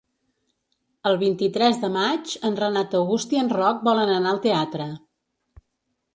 El vint-i-tres de maig en Renat August i en Roc volen anar al teatre.